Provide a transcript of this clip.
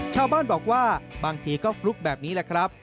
ชาวบ้านบอกว่าบางทีก็ฟลุกแบบนี้แหละครับ